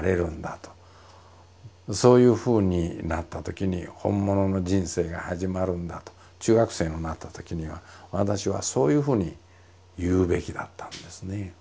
そういうふうになったときに本物の人生が始まるんだと中学生になったときには私はそういうふうに言うべきだったんですね。